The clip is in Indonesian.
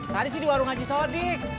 tadi sih di warung haji sodik